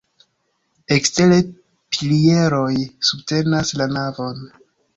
Ekstere pilieroj subtenas la navon.